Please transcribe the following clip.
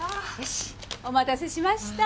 お待たせしました。